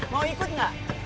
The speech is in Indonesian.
mau ikut gak